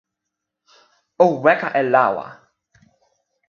o weka e lawa.